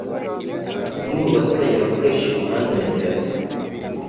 umwe mu baturage bakoresha uyu muhanda aragira ati